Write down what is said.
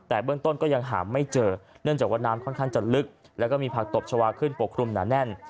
แต่เบื้องต้นก็ยังหาไม่เจอเนื่องจากว่าน้ำค่อนข้างจะลึกแล้วก็มีผักตบชาวาขึ้นปกคลุมหนาแน่น